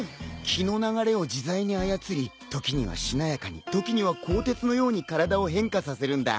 気の流れを自在に操り時にはしなやかに時には鋼鉄のように体を変化させるんだ。